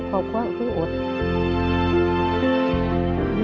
ชิคกี้พายช่วยพ่อกับแม่